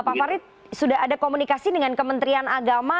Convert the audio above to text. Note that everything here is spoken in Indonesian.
pak farid sudah ada komunikasi dengan kementerian agama